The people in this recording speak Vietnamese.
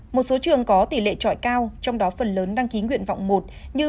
một số trường có tỷ lệ trọi cao trong đó phần lớn đăng ký nguyện vọng một như